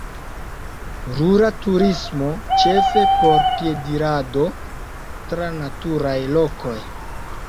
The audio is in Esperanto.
Rura turismo, ĉefe por piedirado tra naturaj lokoj.